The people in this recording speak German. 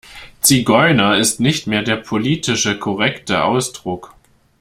Zigeuner ist nicht mehr der politische korrekte Ausdruck.